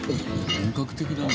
本格的だな。